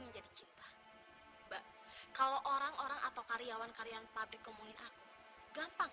menjadi cinta mbak kalau orang orang atau karyawan karyawan pabrik ngomongin aku gampang